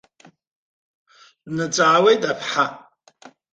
Днаҵаауеит аԥҳа.